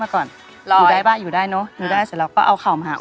ถ้าทำได้มากกว่าก็ได้ค่ะ